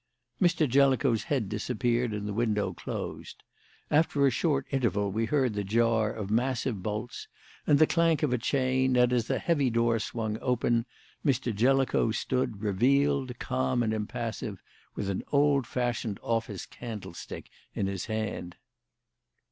Mr. Jellicoe's head disappeared and the window closed. After a short interval we heard the jar of massive bolts and the clank of a chain, and, as the heavy door swung open, Mr. Jellicoe stood revealed, calm and impassive, with an old fashioned office candlestick in his hand.